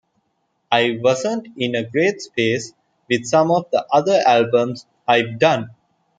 I wasn't in a great space with some of the other albums I've done.